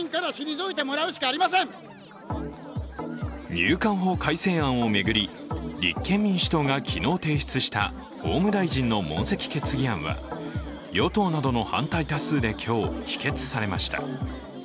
入管法改正案を巡り立憲民主党が昨日提出した法務大臣の問責決議案は与党などの反対多数で今日、否決されました。